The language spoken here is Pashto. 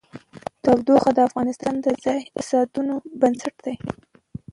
تودوخه د افغانستان د ځایي اقتصادونو بنسټ دی.